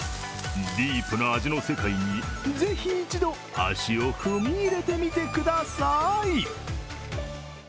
ディープな味の世界にぜひ一度、足を踏み入れてみてくださーい。